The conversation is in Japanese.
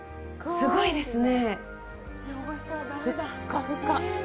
すごいですね！